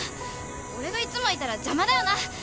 俺がいつもいたら邪魔だよな！